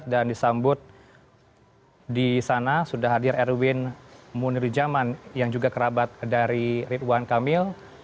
dan disambut di sana sudah hadir erwin munirijaman yang juga kerabat dari rituan kamil